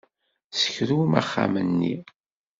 Ssekrum axxam-nni.